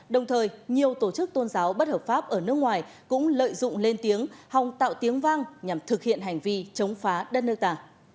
đồng thời nhiều tổ chức tôn giáo bất hợp pháp ở nước ngoài cũng lợi dụng lên tiếng hòng tạo tiếng vang nhằm thực hiện hành vi chống phá đất nước ta